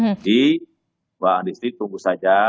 jadi pak andisli tunggu saja